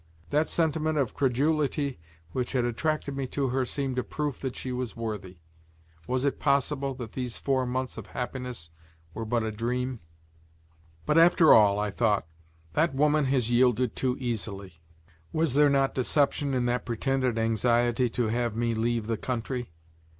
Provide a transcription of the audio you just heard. That sentiment of credulity, which had attracted me to her, seemed a proof that she was worthy. Was it possible that these four months of happiness were but a dream? But, after all, I thought that woman has yielded too easily. Was there not deception in that pretended anxiety to have me leave the country?